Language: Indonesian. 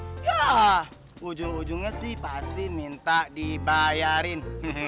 ya ujung ujungnya sih pasti minta dibayarin